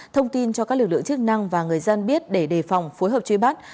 thông tin cho các lực lượng chức năng và người dân biết để đề phòng phối hợp truy bắt